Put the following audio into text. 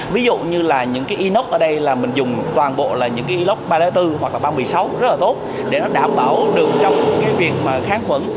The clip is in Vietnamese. ví dụ như là những cái inox ở đây là mình dùng toàn bộ là những cái inox ba bốn hoặc là ba một mươi sáu rất là tốt để nó đảm bảo đường trong cái việc mà kháng khuẩn